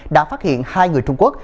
đã phát hiện hai người trung quốc